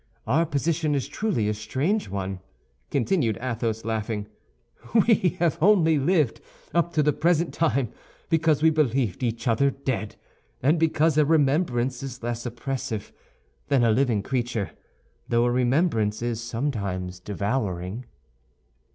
Our position is truly a strange one," continued Athos, laughing. "We have only lived up to the present time because we believed each other dead, and because a remembrance is less oppressive than a living creature, though a remembrance is sometimes devouring."